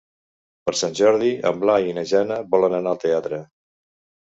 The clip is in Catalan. Per Sant Jordi en Blai i na Jana volen anar al teatre.